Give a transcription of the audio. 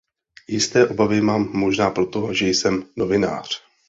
Jisté obavy mám možná proto, že jsem novinář.